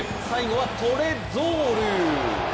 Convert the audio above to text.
最後はトレゾール。